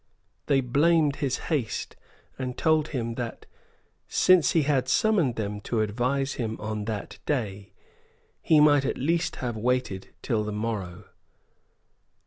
They blamed his haste, and told him that, since he had summoned them to advise him on that day, he might at least have waited till the morrow.